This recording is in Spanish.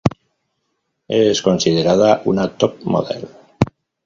Es considerada una top model.